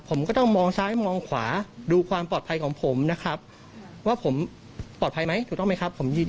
ผมก็ต้องมองซ้ายมองขวาดูความปลอดภัยของผมนะครับว่าผมปลอดภัยไหมถูกต้องไหมครับผมยืน